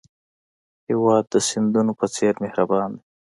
هېواد د سیندونو په څېر مهربان دی.